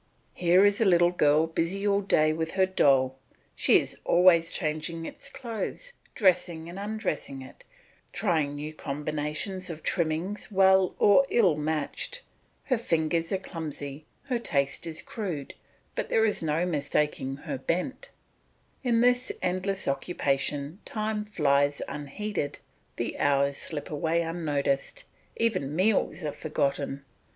Here is a little girl busy all day with her doll; she is always changing its clothes, dressing and undressing it, trying new combinations of trimmings well or ill matched; her fingers are clumsy, her taste is crude, but there is no mistaking her bent; in this endless occupation time flies unheeded, the hours slip away unnoticed, even meals are forgotten.